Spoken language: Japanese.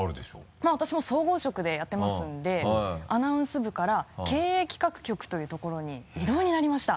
まぁ私も総合職でやってますんでアナウンス部から経営企画局というところに異動になりました。